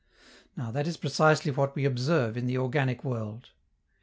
Now, that is precisely what we observe in the organic world.